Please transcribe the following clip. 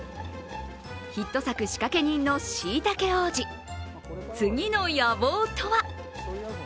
ヒット作仕掛け人のしいたけ王子、次の野望とは？